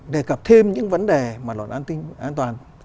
đề cập thêm những vấn đề mà luật an ninh an toàn